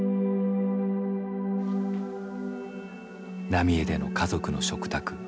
浪江での家族の食卓。